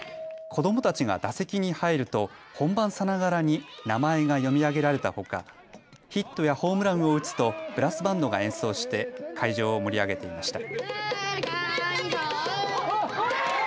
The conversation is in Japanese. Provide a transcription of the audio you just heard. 子どもたちが打席に入ると本番さながらに名前が読み上げられたほか、ヒットやホームランを打つとブラスバンドが演奏して会場を盛り上げていました。